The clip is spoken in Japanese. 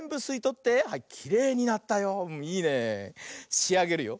しあげるよ。